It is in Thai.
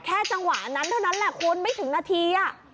จังหวะนั้นเท่านั้นแหละคุณไม่ถึงนาที